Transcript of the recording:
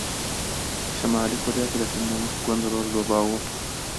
په شلي کوریا کې د کمونېست ګوند رول لوباوه.